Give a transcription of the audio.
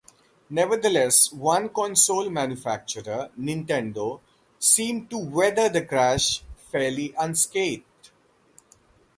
Nevertheless, one console manufacturer, Nintendo, seemed to weather the crash fairly unscathed.